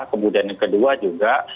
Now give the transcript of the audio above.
kemudian yang kedua juga